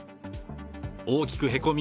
大きくへこみ